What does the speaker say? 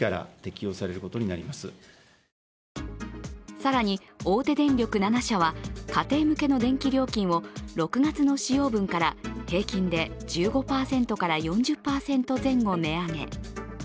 更に、大手電力７社は家庭向けの電気料金を６月の使用分から平均で１５％から４０％前後値上げ。